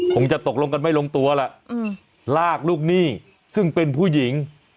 คงจะตกลงกันไม่ลงตัวแหละลากลูกหนี้ซึ่งเป็นผู้หญิง